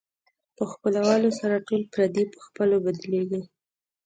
په خپلولو سره ټول پردي په خپلو بدلېږي.